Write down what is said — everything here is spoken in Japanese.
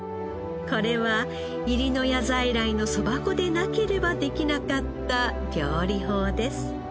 これは入野谷在来のそば粉でなければできなかった料理法です。